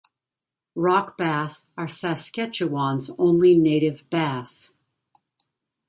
Rock bass are Saskatchewan's only native bass.